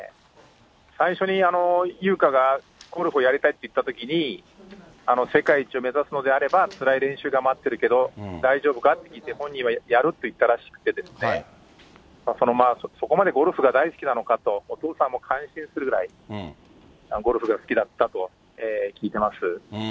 最初に優花がゴルフをやりたいって言ったときに、世界一を目指すのであればつらい練習が待ってるけど、大丈夫かって聞いて、本人はやるって言ったらしくてですね、そこまでゴルフが大好きなのかと、お父さんも感心するぐらい、ゴルフが好きだったと聞いてます。